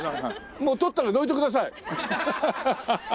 もう撮ったらどいてください。